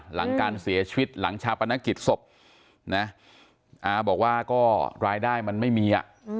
หลังการเสียชีวิตหลังชาปนกิจศพนะอาบอกว่าก็รายได้มันไม่มี